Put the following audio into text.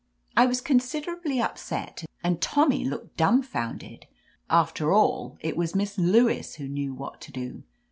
I was considerably upset, and Tommy looked dumbfounded. After all, it was Miss Lewis who knew what to do.